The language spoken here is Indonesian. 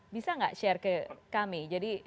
bisa tidak share ke kami